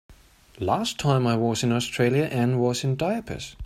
Last time I was in Australia Anne was in diapers.